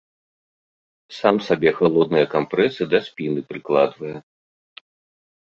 Сам сабе халодныя кампрэсы да спіны прыкладвае.